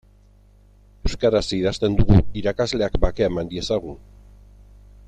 Euskaraz idazten dugu irakasleak bakea eman diezagun.